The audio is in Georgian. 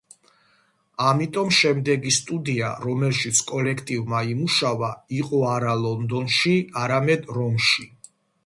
ამიტომ შემდეგი სტუდია, რომელშიც კოლექტივმა იმუშავა, იყო არა ლონდონში, არამედ რომში.